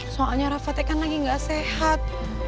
soalnya rafa teh kan lagi gak sehat